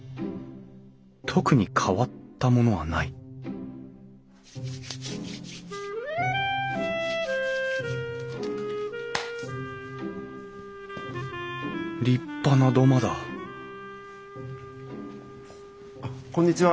特に変わったものはない立派な土間だこんにちは。